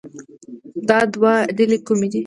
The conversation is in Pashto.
دا دوه ډلې کومې دي